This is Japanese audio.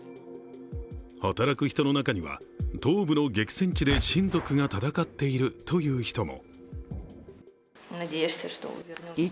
働く人の中には東部の激戦地で親族が戦っているという人も。